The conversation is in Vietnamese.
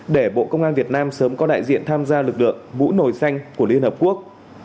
để bộ công an việt nam sớm có đại diện tham gia lực lượng mũ nổi xanh của liên hợp quốc